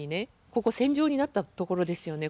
ここ戦場になったところですよね。